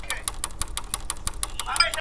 چي نه کوي الله، څه به وکي خوار ملا.